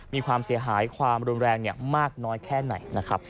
มีความเสียหายความรุนแรงมากน้อยแค่ไหนนะครับ